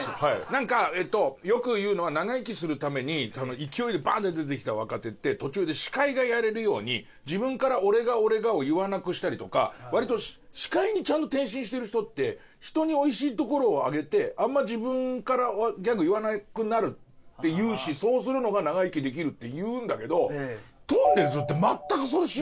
なんかよく言うのは長生きするために勢いでバン！って出てきた若手って途中で司会がやれるように自分から「俺が俺が」を言わなくしたりとか割と司会にちゃんと転身してる人って人においしいところをあげてあんま自分からはギャグ言わなくなるっていうしそうするのが長生きできるっていうんだけどとんねるずって全くそうしなかったですよね？